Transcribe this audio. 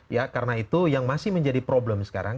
ya karena itu yang masih menjadi problem sekarang